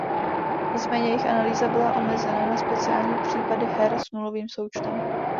Nicméně jejich analýza byla omezena na speciální případy her s nulovým součtem.